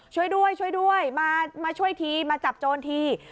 ช่วยด้วยมาช่วยทีมาจับโจรที